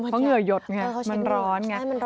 เพราะเหงื่อหยดไงมันร้อนไง